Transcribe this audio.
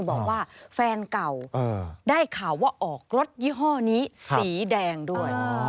บอกว่าแฟนเก่าได้ข่าวว่าออกรถยี่ห้อนี้สีแดงด้วย